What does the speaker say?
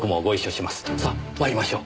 さあ参りましょう。